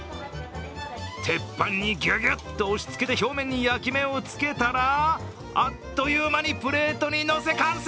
鉄板にぎゅぎゅっと押しつけて表面に焼き目をつけたらあっという間にプレートにのせ完成。